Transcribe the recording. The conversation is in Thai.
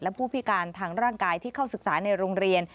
และผู้พิการทางร่างกายที่เข้าศึกษาในโรงเรียน